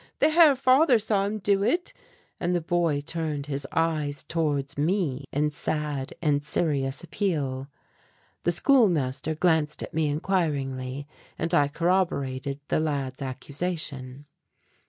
The Herr Father saw him do it, " and the boy turned his eyes towards me in sad and serious appeal. The schoolmaster glanced at me inquiringly and I corroborated the lad's accusation.